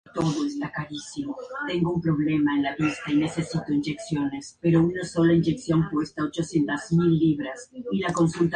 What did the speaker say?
Durante este período, el Parlamento obtuvo el único hogar permanente que tuvo alguna vez.